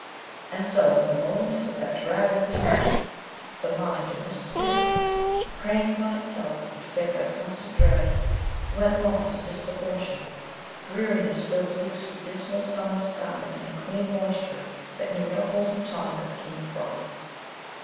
And so, in the loneliness of that drab English winter, the mind of Mrs. Bittacy, preying upon itself, and fed by constant dread, went lost in disproportion. Dreariness filled the weeks with dismal, sunless skies and a clinging moisture that knew no wholesome tonic of keen frosts.